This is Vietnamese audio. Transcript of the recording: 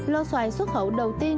lo xoài xuất khẩu đầu tiên